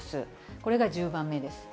これが１０番目です。